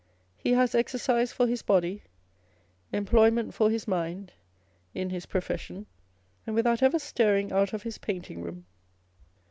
He has exercise for his body, employ ment for his mind in his profession, and without ever stirring out of his painting room.